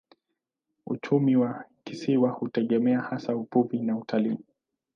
Uchumi wa kisiwa hutegemea hasa uvuvi na utalii.